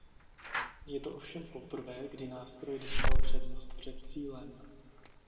Je to ovšem poprvé, kdy nástroj dostal přednost před cílem.